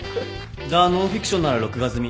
『ザ・ノンフィクション』なら録画済み。